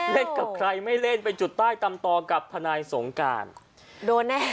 เล่นไม่เล่นเป็นจุดใต้ตำต่อกับทันายสงการแนะนำ